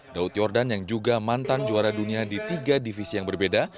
daud yordan yang juga mantan juara dunia di tiga divisi yang berbeda